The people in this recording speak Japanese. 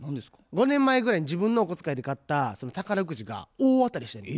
５年ぐらい前に自分のお小遣いで買った宝くじが大当たりしてんねん。